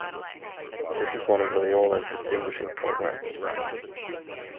This is one of Loyola's distinguishing programs.